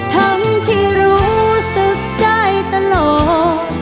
ทั้งที่รู้สึกใจตลอด